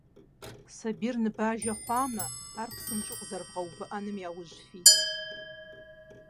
Сабийр ныбажэ хъуамэ, ар псынщӀэу къэзэрывгъэувыӀэным яужь фит.